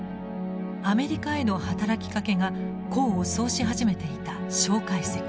アメリカへの働きかけが功を奏し始めていた介石。